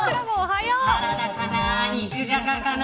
サラダかな、肉じゃがかな